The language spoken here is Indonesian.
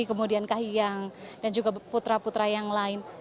kemudian kahiyang dan juga putra putra yang lain